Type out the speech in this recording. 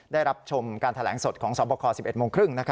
ได้รับชมการแถลงสดกงษ์ซอมบัคคอร์สิบเอ็ดหมวงครึ่ง